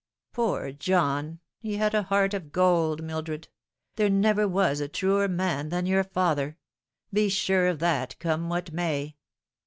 " Poor John ! he had a heart of gold, Mildred. There never was a truer man than your father. Be sure of that, come what may."